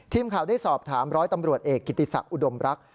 ทีมข่าวได้สอบถามร้อยตำรวจเอกกิติศักดิอุดมรักษ